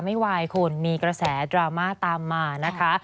ไม่ไหวคุณมีกระแสดราม่าตามมานะคะ